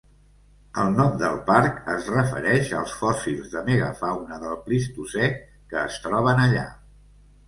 El nom del parc es refereix als fòssils de megafauna del Plistocè que es troben allà.